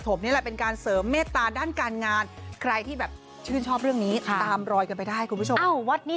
โอ้โหพรบสูตรเต็มที่